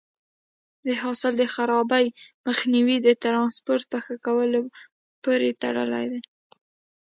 د حاصل د خرابي مخنیوی د ټرانسپورټ په ښه کولو پورې تړلی دی.